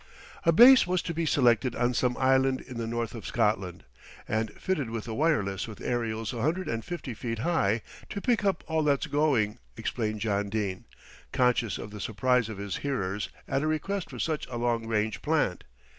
A base was to be selected on some island in the North of Scotland, and fitted with wireless with aerials a hundred and fifty feet high, "to pick up all that's going," explained John Dene, conscious of the surprise of his hearers at a request for such a long range plant.